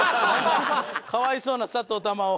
かわいそうなさとう珠緒。